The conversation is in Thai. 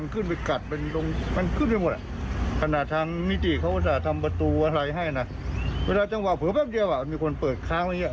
คุณผู้ชมที่เปิดหลายเสียงเนี่ย